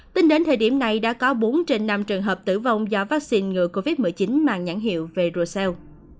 tính đến thời điểm này đã có bốn trên năm trường hợp tử vong do vaccine ngừa covid một mươi chín mang nhãn hiệu về ruel